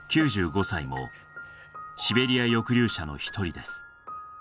９５歳もシベリア抑留者の一人です